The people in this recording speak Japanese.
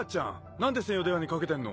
何で専用電話にかけてんの？